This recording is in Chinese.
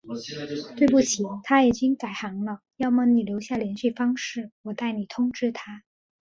对不起，他已经改行了，要么你留下联系方式，我代你通知他。